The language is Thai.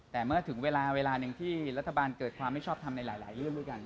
แต่เมื่อถึงเวลาเวลาหนึ่งที่รัฐบาลเกิดความไม่ชอบทำในหลายเรื่องด้วยกัน